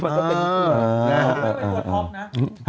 เดือดพร้อมนะ